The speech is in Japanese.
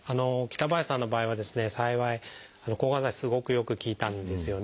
北林さんの場合はですね幸い抗がん剤がすごくよく効いたんですよね。